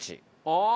ああ。